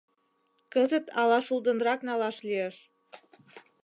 Кызыт ала шулдынрак налаш лиеш.